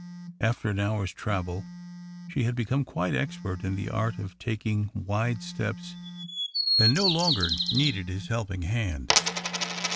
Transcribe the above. After an hour's travel, she had become quite expert in the art of taking wide steps, and no longer needed his helping hand.